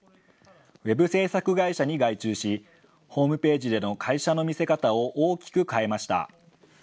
ウェブ制作会社に外注し、ホームページでの会社の見せ方を大きく変えました。